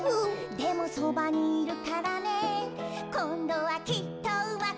「でもそばにいるからねこんどはきっとうまくいくよ！」